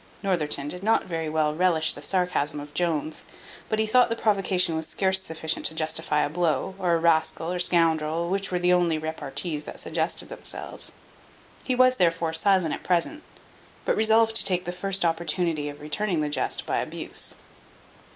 Northerton did not very well relish the sarcasm of Jones; but he thought the provocation was scarce sufficient to justify a blow, or a rascal, or scoundrel, which were the only repartees that suggested themselves. He was, therefore, silent at present; but resolved to take the first opportunity of returning the jest by abuse.